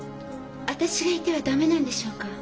私がいては駄目なんでしょうか？